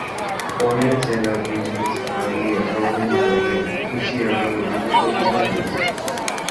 পরে জেলার বিভিন্ন স্থান দিয়ে প্রবাহিত হয়ে কুশিয়ারা নদীতে পতিত হয়েছে।